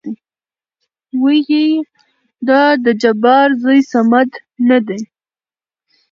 ويېېې دا د جبار زوى صمد نه دى ؟